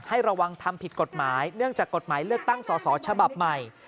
ระวังทำผิดกฎหมายเนื่องจากกฎหมายเลือกตั้งสอสอฉบับใหม่